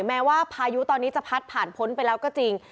แม้ว่าพายุตอนนี้จะพัดผ่านพ้นไปแล้วก็จริง